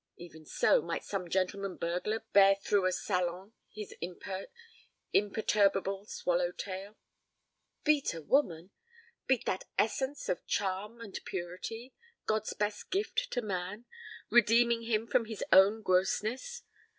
Even so might some gentleman burglar bear through a salon his imperturbable swallow tail. Beat a woman! Beat that essence of charm and purity, God's best gift to man, redeeming him from his own grossness!